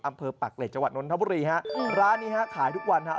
อำเภอปรักฤษจังหวัดนทบุรีฮะร้านนี้ฮะขายทุกวันฮะ